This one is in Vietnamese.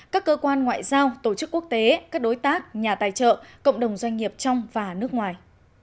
các cơ quan ngoại giao tổ chức quốc tế các đối tác nhà tài trợ cộng đồng doanh nghiệp trong và nước ngoài